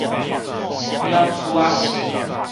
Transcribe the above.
鳥鼠仔刺